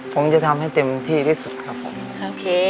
ผมจะทำให้เต็มที่ที่สุดครับผมโอเค